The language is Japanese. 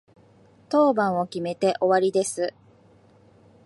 当番を決めて終わりです。